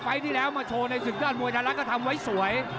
ที่แล้วมาโชว์ในศึกยอดมวยไทยรัฐก็ทำไว้สวย